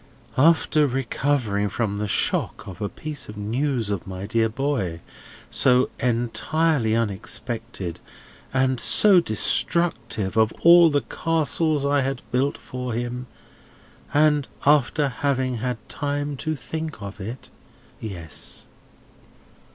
"After recovering from the shock of a piece of news of my dear boy, so entirely unexpected, and so destructive of all the castles I had built for him; and after having had time to think of it; yes."